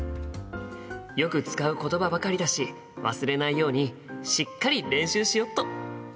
よく使うことばばかりだし忘れないようにしっかり練習しよっと。